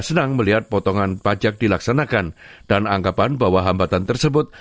senang melihat potongan pajak dilaksanakan dan anggapan bahwa hambatan tersebut